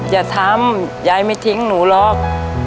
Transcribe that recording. อย่าทำยายไม่ทิ้งหนูหรอก